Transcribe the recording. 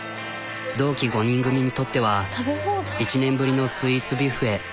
同期５人組にとっては１年ぶりのスイーツビュッフェ。